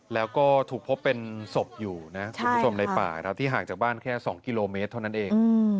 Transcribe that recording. แล้วก็ถูกพบเป็นศพอยู่นะคุณผู้ชมในป่าครับที่ห่างจากบ้านแค่๒กิโลเมตรเท่านั้นเอง